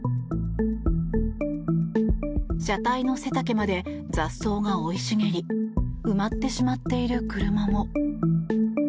車体の背丈まで雑草が生い茂り埋まってしまっている車も。